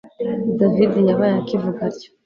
david yabaye akivuga atyo